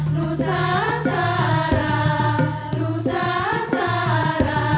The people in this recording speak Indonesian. duh santara duh santara